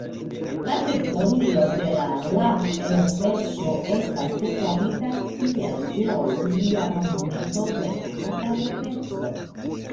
La teritorio de la laf-elverŝo estas deklarita kiel geologia monumento de la loka graveco.